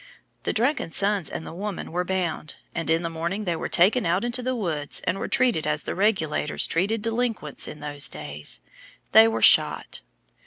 The drunken sons and the woman were bound, and in the morning they were taken out into the woods and were treated as the Regulators treated delinquents in those days. They were shot.